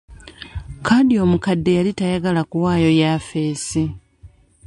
Kadhi omukadde yali tayagala kuwaayo yafesi.